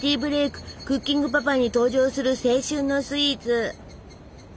「クッキングパパ」に登場する青春のスイーツ！